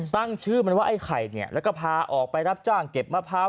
ตั้งชื่อมันว่าไอ้ไข่เนี่ยแล้วก็พาออกไปรับจ้างเก็บมะพร้าว